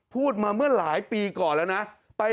พูดมาเมื่อหลายปีก่อนแล้วนะ